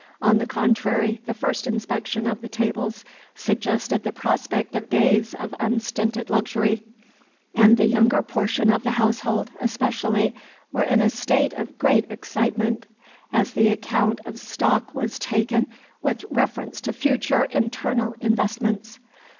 On the contrary, the first inspection of the tables suggested the prospect of days of unstinted luxury; and the younger portion of the household, especially, were in a state of great excitement as the account of stock was taken with reference to future internal investments.